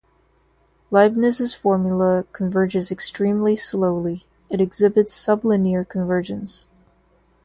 Leibniz's formula converges extremely slowly: it exhibits sublinear convergence.